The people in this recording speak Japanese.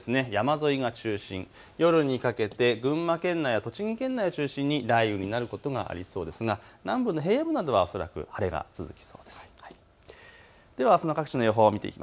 山沿いが中心、夜にかけて群馬県内や栃木県内を中心に雷雨になることがありそうですが南部の平野部などは恐らく晴れが続きそうです。